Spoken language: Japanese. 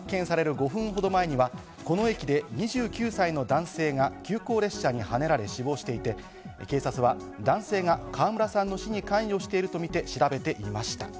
５分ほど前には、この駅で２９歳の男性が急行列車にはねられ死亡していて、警察は男性が川村さんの死に関与しているとみて調べています。